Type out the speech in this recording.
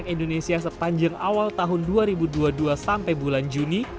pembangunan indonesia sepanjang awal tahun dua ribu dua puluh dua sampai bulan juni